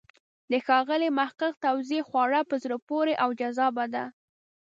د ښاغلي محق توضیح خورا په زړه پورې او جذابه ده.